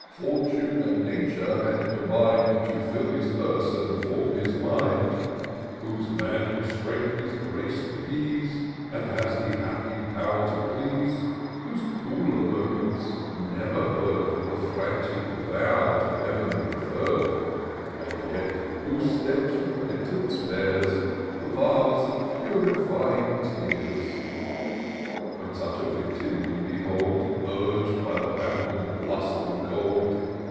Fortune and Nature had combin'd To fill his purse and form his mind ; Whose manly strength is grac'd with ease. And has the happy pow'r to please ; Whose cooler moments never heard The frantic vow to Heav'n preferr'd ; And near whose steps Repentance bears The vase of purifying tears ; When such a victim we behold, Urg'd by the rampant lust of gold.